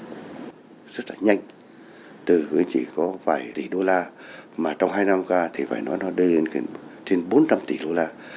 asean rất là nhanh từ chỉ có vài tỷ đô la mà trong hai năm qua thì phải nói nó đưa lên trên bốn trăm linh tỷ đô la